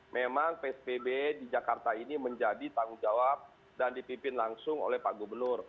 memang psbb di jakarta ini menjadi tanggung jawab dan dipimpin langsung oleh pak gubernur